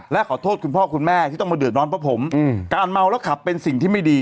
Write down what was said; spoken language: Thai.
และขอโทษคุณพ่อคุณแม่ที่ต้องมาเดือดร้อนเพราะผมการเมาแล้วขับเป็นสิ่งที่ไม่ดี